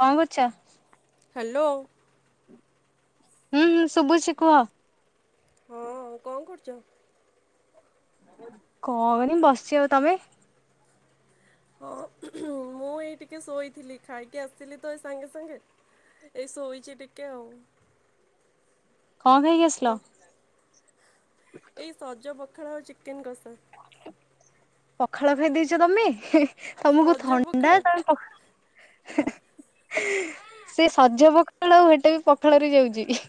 କଣ କରୁଛ? ହାଲୋ। ହୁଁ, ହୁଁ ଶୁଭୁଛି କୁହ। ହଁ କଣ କରୁଚ? କଣ କି ବସଛି ଆଉ, ତୋମେ? ହଁ ମୁଁ ମୁଁ ଏଇ ଟିକେ ଶୋଇଥିଲି, ଖାଇକି ଆସିଲି ତ ଏଇ ସାଙ୍ଗେ ସାଙ୍ଗେ। ଏଇ ଶୋଇଚି ଟିକେ ଆଉ। କଣ ଖାଇକି ଆସିଲ? ତ ଏଇ ସଜ ପଖାଳ ଆଉ ଚିକେନ୍ କଷା। ପଖାଳ ଖାଇ ଦେଇଚ ତମେ ହେ ତମକୁ ସଜ ଥଣ୍ଡା ପଖାଳ ତମେ ହେ ସେ ସଜ ପଖାଳ ହେଟା ବି ପଖାଳରେ ଯାଉଛି।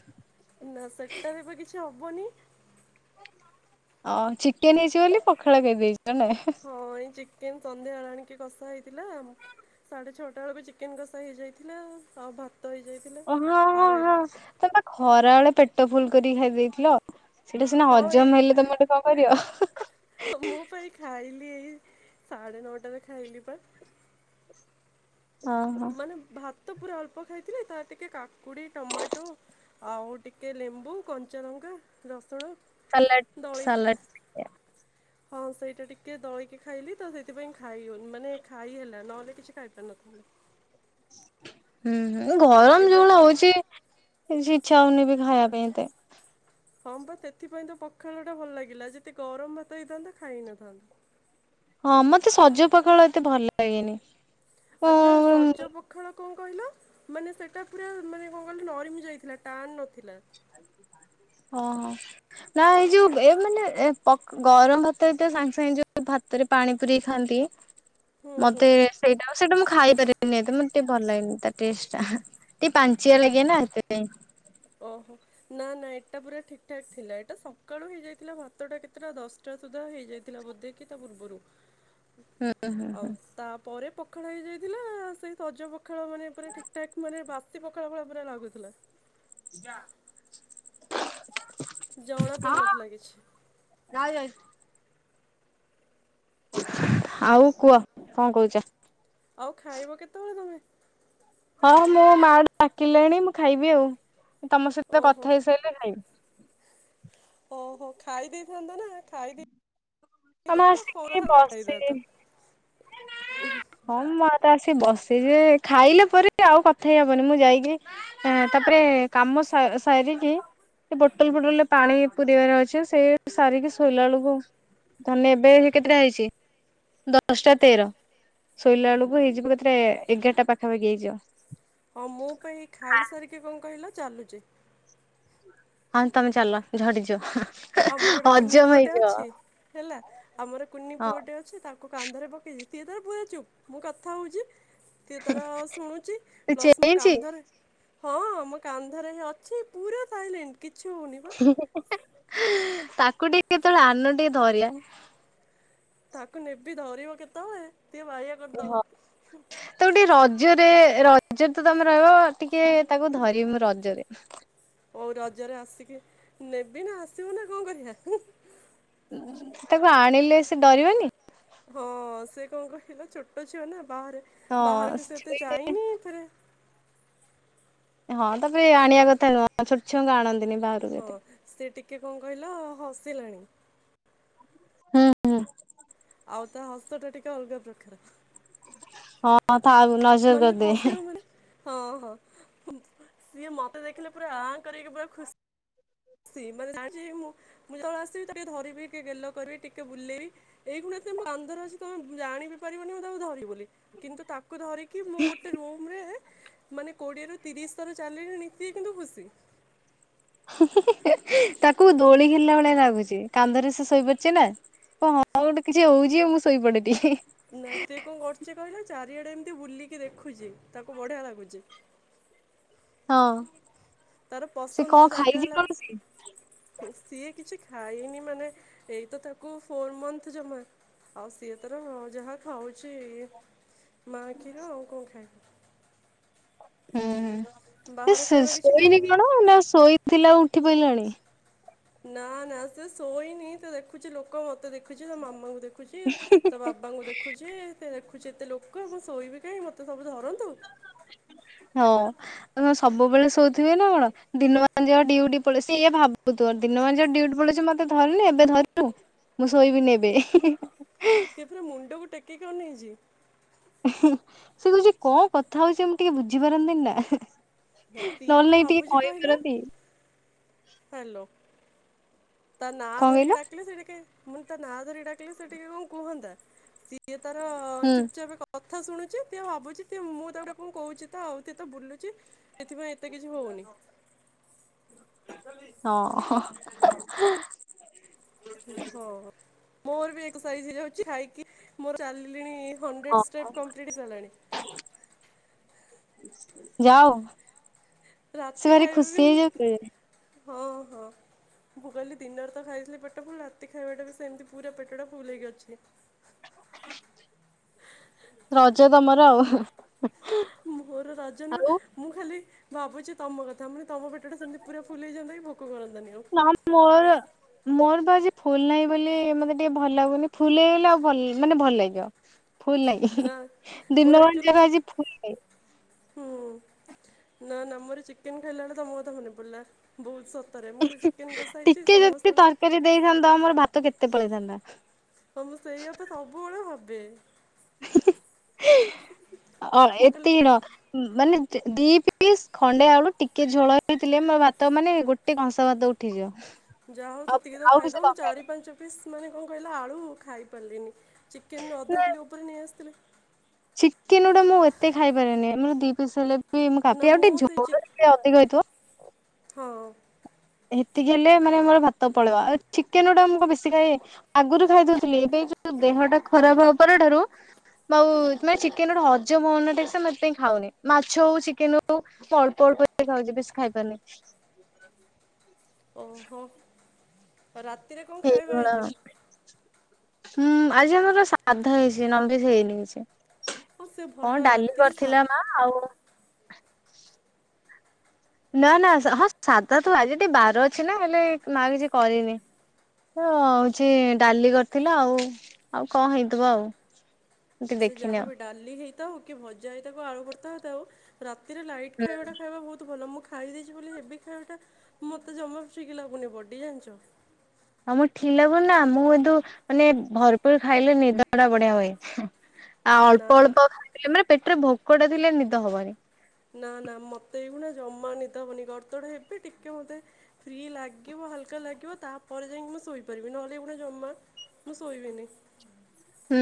ନା ସେଟାରେ ବି କିଛି ହବନି। ଅ ଚିକେନ୍ ହେଇଛି ବୋଲି ପଖାଳ ଖାଇ ଦେଇଛ ନାଁ। ହଁ ଏଇ ଚିକେନ୍ ସନ୍ଧ୍ୟାବେଳେ ଆଣିକି କଷା ହେଇଥିଲା ସାଢ଼େ ଛଅଟା ଭାବେ ଚିକେନ୍ କଷା ହେଇଯାଇଥିଲା ଆଉ ହ ଭ ତ ହେଇଯାଇଥିଲା। ଓ ହଁ ହଁ ଆଉ ଏ ହଁ। ତମେ ବା ଖରା ବେଳେ ପେଟ ଫୁଲ୍ କରିକି ଖାଇଦେଇଥିଲ। ସେଇଟା ସିନା ହଁ ହଜମ ହେଲେ ତମେ ଗୋଟେ କଣ କରିବ? ହଁ ହଁ ହଉ ମୁଁ ପା ଏଇ ଖାଇଲି ଏଇ ସାଢ଼େ ନଅଟାରେ ଖାଇଲି ପା। ହଁ ହଁ ମାନେ ଭାତ ପୁରା ଅଳ୍ପ ଖାଇଥିଲି, ତା ଟିକେ କାକୁଡ଼ି, ଟମାଟୋ ଆଉ ଟିକେ ଲେମ୍ବୁ, କଞ୍ଚଲଙ୍କା, ରସୁଣ ସଲାଟ୍ ଦଳିକି ସଲାଟ୍ ହଁ ସେଇଟା ଟିକେ ଦଳକି ଖାଇଲି ତ ସେଥିପାଇଁ ଖାଇ ହଉନି ମାନେ ଖାଇ ହେଲା। ନହେଲେ କିଛି ଖାଇପାରୁ ନଥାନ୍ତି। ହୁଁ ହୁଁ ଗରମ ଏବେ ଯୋଉ ଭଳିଆ ହଉଛି କିଛି ଇଚ୍ଛା ହଉନି ବି ଖାଇବା ପାଇଁ ଏତେ। ହଁ ବା ସେଥିପାଇଁ ତ ପଖାଳ ଟା ଭଲ ଲାଗିଲା, ଯଦି ଗରମ ଭାତ ହେଇଥାନ୍ତା ଖାଇ ହେଇ ନଥାନ୍ତା। ହଁ ମତେ ସଜ ପଖାଳ ଏତେ ଭଲ ଲାଗେନି। ଆ ନା ସଜ ଓହୋ ପ ଖାଳ କଣ କହିଲ ମାନେ ସେଟା ପୁରା ମାନେ କଣ କହିଲ ନରିମି ଯାଇଥିଲା ଟାଣ ନଥିଲା। ହଁ ହଁ ନା ଏଇ ଯୋଉ ଏ ମାନେ ଏ ପ ଗରମ ଭାତ ଏଇଟା ସାଙ୍ଗେ ସାଙ୍ଗେ ହେଇଯିବ। ଭା ରେ ପାଣି ପୁରେଇ ଖାଆନ୍ତି। ହୁଁ ହୁଁ। ମତେ ସେଇଟା-ସେଇଟା ମୁଁ ଖାଇପାରେଇନି ଏତେ, ମତେ ଟିକେ ଭଲ ଲାଗନି ତା ଟେଷ୍ଟ ଟା। ଟିକେ ପାଞ୍ଚିଆ ଲାଗେ ନା ସେଥିପାଇଁ। ଓହୋ ନା-ନା ଏଇଟା ପୁରା ଠିକ୍ ଠାକ୍ ଥିଲା। ଏଟା ସକାଳୁ ହେଇଯାଇଥିଲା ଭାତ ଟା କେତେଟା ଦସ୍ ଟା ସୁଦ୍ଧା ହେଇଯାଇଥିଲା ବୋଧେ କି ତା ପୂର୍ବରୁ ଆଉ ତାପରେ ପଖାଳ ହେଇଯାଇଥିଲା ସେଇ ସଜ ପ ପଖାଳ ମାନେ ପୁରା ଠିକ୍ ଠାକ୍ ମାନେ ବାସି ପଖାଳ ଭଳିଆ ପୁରା ଲାଗୁଥିଲା। ଜଣା ପଡୁନଥିଲା କିିଛି। ଯାଉଚି ଯାଉଚି। ଆଉ କୁହ କଣ କହୁଚ? ଆଉ ଖାଇବ କେତବଳେ ତମେ? ହଁ ମୋ ମା ଡାକିଲେଣି ମୁଁ ଖାଇବି ଆଉ, ତମ ସହିତ ଓହୋ କଥା ହେଇସାରିଲେ ଖାଇବି। ଓହୋ ଖାଇଦେଇଥାନ୍ତ ନା ଖାଇବି ଏ ତମେ ହେଇଥାନ୍ତ ଆସିକି ଫୋରଟା କଥା ବସି ହେଇଥାନ୍ତଉଁ ହୁଁ। ହଁ ମୁଁ ପା ତ ଆସି ବସିଛି ଯେ, ଖାଇଲେ ପରେ ଆଉ କଥା ହେଇ ହବନି ମୁଁ ଯାଇକି ଆ ତାପରେ କାମ ସା ସାରିକି ସେ ବୋଟଲ ପୋଟଲ ରେ ପାଣି ପୁରେଇବାରେ ଅଛି। ସେ ସାରିକି ଶୋଇଲା ବେଳକୁ ଧରିନିଅ ଏବେ ସେ କେତେଟା ହେଇଛି ଦଶଟା ତେର। ଶୋଇଲା ବେଳକୁ ହେଇଯିବ କେତେ ଏଗାରଟା ପାଖାପାଖି ହେଇଯିବ। ହଁ ମୁ ପାଇଁ ଖାଇସାରିକି କଣ କହିଲ ଚାଲୁଛି। ହଁ ତମେ ଚାଲ ଝଡିଯିବ। ଆମର ଗୋଟେ କୁନି ହଜମ ପୁଅଟେ ହେଇଯିବ ଅଛି ହେଲା ଆମର କୁନି ହଁ ପୁଅ ଟେ ଅଛି ତା କୁ କାନ୍ଧରେ ପକେଇଛି ସିଏ ତାର ପୁରା ଚୁପ୍ ମୁଁ କଥା ହଉଚି। ସିଏ ତାର ଶୁଣୁଚି ତୁ ପ୍ଲସ ମୋ ଚେଇଁଛି କାନ୍ଧରେ ହଁ ମୋ କାନ୍ଧରେ ହିଁ ଅଛି ପୁରା ସାଇଲେଣ୍ଟ କିଛି ହଉନି ବା। ତାକୁ ଟିକେ କେତେବେଳେ ଆନୁଣ ଟିକେ ଧରିବା। ତାକୁୁ ନେବି ଧରିବ କେତେବେଳେ ସିଏ ବାଇୟା କ ଓହ। ହୁ। ତାକୁ ଟିକେ ରଜରେ ରଜରେ ତ ତମେ ରହିବ ଟିକେ ତାକୁ ଧରିବି ମୁଁ ରଜରେ। ହଉ ରଜରେ ଆସିକି ନେବି ନା ଆସିବ ନା କଣ କରିବା। ତାକୁ ଆଣିଲେ ସେ ଡରିବନି ହଁ ସେ କଣ କହିଲ ଛୋଟ ଛୁଆ ନା ବାହାରେ ହଁ ବାହାରକୁ ସେ ଏତେ ଛୁଇଁଲେ ଯାଇନି ଫେରେ ହଁ ତାକୁ ଏ ଆଣିବା କଥା ନୁହଁ ଛୋଟ ଛୁଆଙ୍କୁ ଆଣନ୍ତିନି ବାହାରୁକୁ ହଁ ଏତେ। ସେ ଟିକେ କଣ କହିଲ ହସିଲାଣି। ହୁଁ ହୁଁ। ଆଉ ତା ହସ ଟା ଟିକେ ଅଲଗା ପ୍ରକାର। ହଁ ତା [unintelligible] ନ ମାନେ ଫସିବ ମାନେ ହଁ ହଁ ସିଏ ମତେ ଦେଖିଲେ ପୁରା ଆଁ କରିକି ପୁରା ଖୁସ୍ ସି ମାନେ ଜାଣି ମୁଁ ମୁଁ ଯେଳେ ଆସିବି ତାିକେ ଧରିବି ଟିକେ ଗେଲ କରିବି ଟିକେ ବୁଲେଇବି। ଏଇ ଖୁଁଣ ଏତ କାନ୍ଧରେ ଅଛି ତମେ ଜାଣିିବି ପାରିବନି ମୁଁ ତାକୁ ଧରିବି ବୋଲି କିନ୍ତୁ? ତାକୁ ଧରିକି ମୁଁ ଗୋଟେ ରୁମ ରେ ମାନେ କୋଡ଼ିଏରୁ ତିରିଶ ଥର ଚାଲିଲିଣି ସିଏ କିନ୍ତୁ ଖୁସି। ତାକୁ ଦୋଳି ଖେଳିଲା ଭଳିଆ ଲାଗୁଛି। କାନ୍ଧରେ ସେ ଶୋଇପଡିଚେ ନା, କ ହଁ ଗୋଟେ କିଛି ହଉଛି ମୁଁ ଶୋଇପଡେ ଟିକେ। ନା ତେ କଣ କରୁଚି କହିଲ ଚାରିଆଡେ ଏମିତି ବୁଲିକି ଦେଖୁଛିି ତାକୁ ବଢିଆ ଲାଗୁଛି। ହଁ। ତାର ସେ କଣ ପସନ୍ଦର ଜାଗା ଖାଇଛି ହେଲା କଣ ସେ? ସିଏ କିଛି ଖାଇନି ମାନେ ଏଇତ ତାକୁ ଫୋର ମନ୍ଥ ଜମା। ଆଉ ସିଏ ତର ଯାହା ଖାଉଛି ମା କ୍ଷୀର ଆଉ କଣ ଖାଇବ। ହୁଁ ହୁଁ ସି ବାହାର ସେ ଖାଇବା କିଛି ଶୋଇନି ଖାଇନି। କଣ ନା ଶୋଇଥିଲା ଉଠି ପାଇଲାଣି। ନା ନା ସେ ଶୋଇନି ତ ଦେଖୁଛି ଲୋକ ମତେ ଦେଖୁ ଖୁଛି ତ ମାମାଙ୍କୁ ଦେଖୁଛି ତ ବାବାଙ୍କୁ ଦେଖୁ ଖୁଛି ସେ ଦେଖୁଛି ଏତେ ଲୋକ ମୁ ଶୋଇବି କାହିଁ ମତେ ସବୁ ଧରନ୍ତୁ। ହଉ। ହ ସବୁବେଳେ ଶୋଉଥିବେ ନା କଣ ଦିନମାନ ଯ ଡିଉଟି ପଳେଇ ସିଇ ଭାବୁ ତୋର ଦିନ ମାନ ଯୋଉ ଡିଉଟି ପଳଉଚ ମତେ ଧରୁନି ଏବେ ଧରଛୁ ମୁଁ ଶୋଇବିନି ଏବେ। ସେ ଫେର୍ ମୁଣ୍ଡକୁ ଟେକିକି ଅନେଇଛି ସେ କହୁଛି କଣ କଥା ହଉଛି ମୁଁ ଟିକେ ବୁଝିପାରନ୍ତିନି ନା। ସିଏ କଣ ନହେଲେ ନାଇ ଟିକେ ଭାବୁଛି କହିଲ କହିପାରନ୍ତି। ହ୍ୟାଲୋ ତା ନା କଣ କହିଲ ଧରିକି ଡାକିଲ ସେ ଟିକେ ମୁଁ ତା ନାଁ ଧରିକି ଡାକିଲେ ସେ ଟିକେ କଣ କୁହନ୍ତା, ସିଏ ତାର ହୁଁ ଚୁପଚାପ କ କଥା ଶୁଣୁଛି ତ ଭାବୁଛି ମୁଁ ତା ଗୋଟେ କଣ କହୁଛି ତ ଆଉଏ ତ ବୁଲୁଚି ଏଥିପାଇଁ ଏତେ କିଛି ହଉନି ହଁ। ହଁ ମୋରବି ଏକ ସାରିକି ହଉଛି ଖାଇକି ମୋର ଚାଲିଲିଣି ହଣ୍ଡ୍ରେଡ଼୍ ଷ୍ଟେପ୍ କମ୍ପ୍ଲିଟ୍ ହେଇସାରିଲାଣି। ଯାଉ ରାତି ସେ ଭାରି ଖାଇବା ବି ଖୁସି ହେଇଯାଉ ଥିବେ। ହଁ ହଁ। ମୁଁ କହିଲି ଦିନରେତ ଖାଇଥିଲି ପେଟ ଫୁଲ୍ ରାତି ଖାଇବାଟାବି ସେମିତି ପୁରା ପେଟଟା ଫୁଲହେଇକି ଅଛି। ରଜ ତମର ଆଉ। ମୋର ରଜ ନୁହଁ ଆଉ ମୁଁ ଖାଲି ଭାବୁଚି ତମ କଥା ମାନେ ତମ ପେଟଟା ସେମିତି ପୁରା ଫୁଲ୍ ହେଇଯାଆନ୍ତାକି ଭୋକ କରନ୍ତାନି ଆଉ। ନାଁ ମୋର ମୋରତ ଆଜି ଫୁଲ୍ ନାହିଁ ବୋଲି ମତେ ଟିକେ ଭଲ ଲାଗୁନି ଫୁଲ୍ ହେଇଗଲେ ଆଉ ମାନେ ଭଲ ଲାଗିବ। ଫୁଲ୍ ନାହିଁ ନା ମୋର ଦିନମାନ ଆକ୍ଚୁଆଲି ଚି ଯାକ ଆଜି ଫୁଲ୍ ନାହିଁ। ହୁଁ ନା ନା ମୋର ଚିକେନ୍ ଖାଇଲା ବେଳେ ତମକଥା ମନେ ପଡ଼ିଲା। ବହୁତ୍ ସତରେ ମୁଁ କହିଲେ ଚିକେନ୍ କସା ହେଇଚି ସମସ୍ତଙ୍କ ଦେଇଥାନ୍ତା ମୋର ଭାତ କେତେ ପଳେଇଥାନ୍ତା। ତ ମୁଁ ସେଇଆତ ସବୁବେଳେ ଭାବେ। ହଁ ଅ ମୁଁ କହିଲି ଏତେ ହ ମାନେ ଦି ପିସ୍ ଖଣ୍ଡେ ଆଳୁ ଟିକେ ଝଳ ହେଇଥିଲେ ମୋର ଭାତ ମାନେ ଗୋ ଟେ କଂସା ଭାତ ଉଠିଯିବ। ଯାହା ହଉ ଆଉ ସେତିକିତ ଆଉ କିଛି ଖାଇଦଉ ମୁଁ ଦରକାର ଚାରି ନାହିଁ ପାଞ୍ଚ ପିସ୍ ମାନେ କଣ କହିଲ ଆଳୁ ଖାଇପାରିଲିନି। ଚିକେନ୍ ଅଧ ନା କିଲୋ ଉପରେ ନେଇଆସିଥିଲେ ଚିକେନ ଅଡ଼ା ମୁଁ ଏତେ ଖାଇପାରେନି ମୋର ଦି ପିସ୍ ହେଲେ ମୁଁ ନା କାପି ଆଉ ଟିକେ ସେଇ ଝୋଳ ଚି ଟିକେ ଅଧିକ ହେଇଥିବ ହଁ। ହେତିକି ହେଲେ ମାନେ ମୋର ଭାତ ପଳେବ ଆଉ ଚିକେନ ଅଡ଼ା ମୁ କଣ ବେଶୀ ଖାଏ। ଆଗରୁ ଖାଇଦଉଥିଲି ଏବେ ଯୋଉ ଦେହଟା ଖରାପ୍ ହବା ପର ଠାରୁ ମୁଆଉ ଚିକେନ୍ ଗୋଟେ ହଜମ ହଉନି ଟିକେ ସେଇଥିପାଇଁ ଖାଉନି ମାଛ ହଉ ଚିକେନ ହଉ ଅଳ୍ପ ଅଳ୍ପ ଖାଉଚି ବେଶୀ ଖାଇ ପାରୁନି। ଓହୋ ଆଉ ରାତିରେ କଣ ଖାଇବା ସେଇଭଳିଆ ହେଇଚି? ହୁଁ ଆଜି ଆମର ସାଧା ହେଇଚି ନନଭେଜ୍ ହେଇନି କିଛି। ହଁ ସେ କଣ ଭଲ ଡାଲି ରାତିରେ ସା କରିଥିଲା ମା ଆଉ ନା ନା ହଁ ସାଧାତ ଆଜି ଟିକେ ବାର ଅଛିନା ହେଲେ ମା କିଛି କରିନି। ତ ହଉଚି ଡାଲି କରିଥିଲା ଆଉ ଆଉ କଁ ହେଇଥିବ ଆଉ। ମୁଁ ଟିକେ ସେ ଦେଖିନି ଆଉ ଯାହାବି ଡାଲି ହେଇଥାଉ କିଭଜା ହେଇଥାଉ ଆଳୁ କରିଥା ହେଥାଉ ରାତିରେ ଲାଇଟ୍ ହୁଁ ଖାଇବାଟା ଖାଇବା ବହୁତ୍ ଭଲ ମୁଁ ଖାଇ ଦେଇଛି ବୋଲି ହେବି ଖାଇବାଟା ମୋତେ ଜମା ଶିକି ଲାଗୁନି ବଡ଼ି ଜାଣିଚ। [unintelligible] ମୁଁ କିନ୍ତୁ [unintelligible] ମାନେ ଭରପୁରୁ ଖାଇଲେ ନିଦଟା ବଢ଼ିଆ ହୁଏ। ଆଉ ନା ଅଳ୍ପ ଅଳ୍ପ ଖାଇଲେ ମାନେ ପେଟରେ ଭୋକଟା ଥିଲେ ନିଦ ହବନି। ନା ନା ମତେ ଏଭଳିଆ ଜମା ନିଦହବନି ଗଡ଼ ତଡ଼ ହେବି ଟିକେ ମତେ ଫ୍ରି ଲାଗିବ ହାଲକା ଲାଗିବ ତାପରେ ଯାଇକି ମୁଁ ଶୋଇପାରିବି ନହେଲେ ଏଗୁଡ଼ା ଜମା ମୁଁ ସୋଇବିନି। ହୁଁ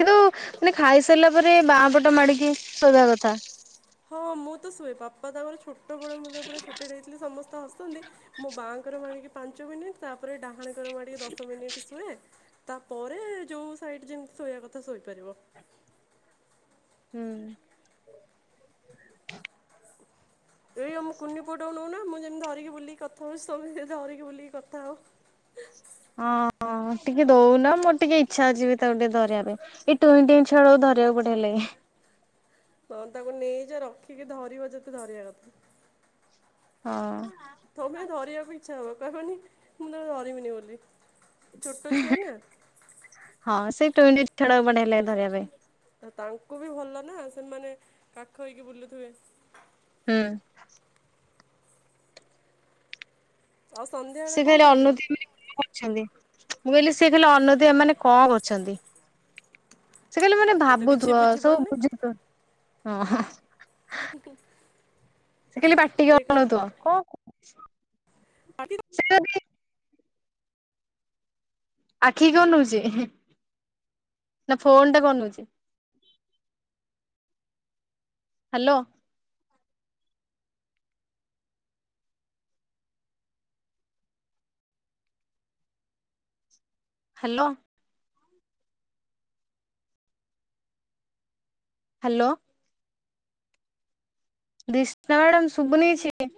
କିନ୍ତୁ ମାନେ ଖାଇସାରିଲା ପରେ ବାଁ ପଟ ମାଡ଼ିକି ଶୋଇବା କଥା। ହଁ ମୁଁ ତ ଶୁଏ ବାପା ତାଙ୍କର ଛୋଟବେଳେ ମ ତାଙ୍କଉପରେ ଛୋ ଟେଥିଲେ ସମସ୍ତେ ହସନ୍ତି ମୋ ବାଆଙ୍କର ମଣିକି ପାଞ୍ଚ ମିନିଟ୍ ତାପରେ ଡାହାଣ କର ମାଡିକି ଦଶ ମିନିଟ୍ ଶୁଏ। ତାପରେ ଯୋଉ ସାଇଡ ଯେମିତି ଶୋଇବା କଥା ଶୋଇପାରିବ। ହୁଁ। ଏଇ ଆମ କୁନି ପୁଅ ଟାକୁ ନଉନା ମୁଁ ଯେମିତି ଧରିକି ବୁଲି କଥା ହଉଚି ସମସ୍ତେ ଧରିକି ବୁଲିକି କଥା ହେଉ। ହଁ ହଁ ଟିକେ ଦଉନ ମୋର ଟିକେ ଇଚ୍ଛା ଅଛିି ତାକୁ ଟିକେ ଧରିବା ପାଇଁ। ଏଇ ଟୁଇଁ ଟିଇଁ ଛୁଆ କୁ ଧରିବାକୁ ବଢିଆ ଲାଗେ। ହଁ ତାକୁ ନେଇଯା ରଖିକି ଧରିବ ଯେତେ ଧରିବା କଥା। ହଁ। ତମେ ଧରିବାକୁ ଇଚ୍ଛା ହବ କହିବନି ମୁଁ ତାକୁ ଧରିବିନି ବୋଲି ଛୋଟ ଛୁଆ ନା। ହଁ ସେ ବୁଇଁ ଟିଇଁ ଛୁଆଉଡ଼ାକୁ ବିଡିଅ ଲାଗେ ଧରିବା ପାଇଁ। ତାଙ୍କୁ ବି ଭଲ ନା ସେମାନେ କାଖ ହେଇକି ବୁଲୁଥିବେ। ହୁଁ। ଆଉ ସନ୍ଧ୍ୟାବେଳେ ସେ କଣ ଖାଲି ଖାଇଥିଲ? ଅନଉଥିବେ କଣ କରୁଛନ୍ତି, ମୁଁ କହିଲି ସେ କହିଲେ ଅନଉଥିବେ ଏ ମାନେ କଣ କରୁଛନ୍ତି। ସେ ଖାଲି ମାନେ ଆଉ ସିଏ ତ କିଛି ଭାବୁଥିବ ସବୁ ବୁଝିପାରୁନି ବୁଝୁଥୁ ହଁ। ହଟ [unintelligible] ସେ ଖାଲି ପାଟିକି ଅନଉଥୁିବ କଣ ଖାଲି ଆଖି କଣ ନଉଛି ନା ଫୋନ ଟାକୁ ଅନଉଛି। ହ୍ୟାଲୋ। ହ୍ୟାଲୋ। ହ୍ୟାଲୋ। ଦିସ୍ନା ମ୍ୟାଡ଼ାମ ଶୁଭୁ ନେଇଛିି?